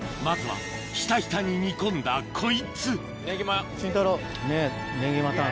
まずはひたひたに煮込んだこいつネギマ。